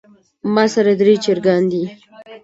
ماسره درې چرګان دي